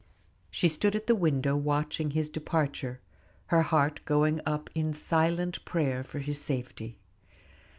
She stood at the window watching his departure, her heart going up in silent prayer for his safety.